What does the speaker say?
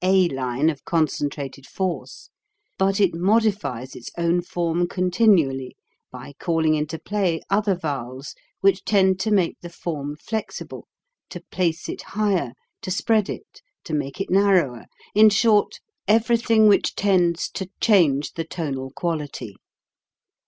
CONSONANTS 295 the a line of concentrated force but it modi fies its own form continually by calling into play other vowels which tend to make the form flexible, to place it higher, to spread it, to make it narrower, in short, everything which tends to change the tonal quality.